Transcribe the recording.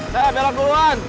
saya belok duluan